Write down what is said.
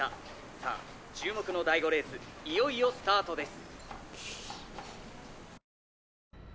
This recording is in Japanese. さあ注目の第５レースいよいよスタートです。